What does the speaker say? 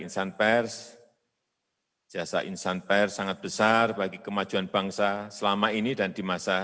insan pers jasa insan pers sangat besar bagi kemajuan bangsa selama ini dan di masa